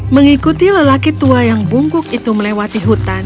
mengikuti lelaki tua yang bungkuk itu melewati hutan